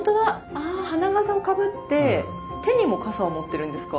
あ花笠をかぶって手にも笠を持ってるんですか？